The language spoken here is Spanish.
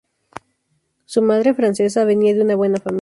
Su madre, francesa, venía de una buena familia.